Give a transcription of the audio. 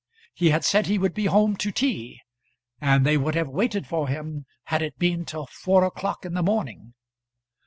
He had said he would be home to tea, and they would have waited for him, had it been till four o'clock in the morning!